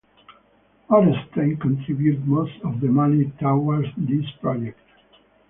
Orenstein contributed most of the money towards this project.